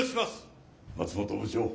松本部長。